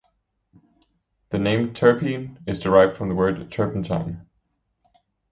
The name "terpene" is derived from the word "turpentine".